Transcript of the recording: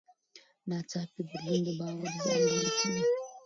ناڅاپي بدلون د باور زیان ګڼل کېږي.